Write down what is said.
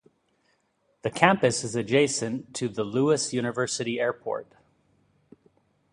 The campus is adjacent to the Lewis University Airport.